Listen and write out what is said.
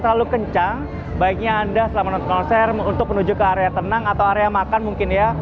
terlalu kencang baiknya anda selama menonton konser untuk menuju ke area tenang atau area makan mungkin ya